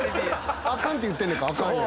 あかんって言ってんねんから」